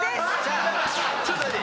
ちょっと待って！